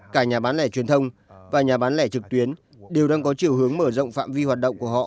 cả nhà bán lẻ truyền thông và nhà bán lẻ trực tuyến đều đang có chiều hướng mở rộng phạm vi hoạt động của họ